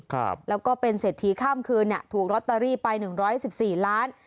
ครับแล้วก็เป็นเสร็จทีข้ามคืนถูกลอตเตอรี่ไป๑๑๔ล้าน